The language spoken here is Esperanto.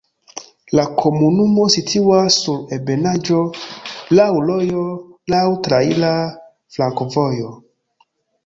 La komunumo situas sur ebenaĵo, laŭ rojo, laŭ traira flankovojo.